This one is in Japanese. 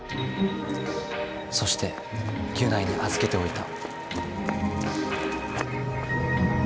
そしてギュナイにあずけておいた。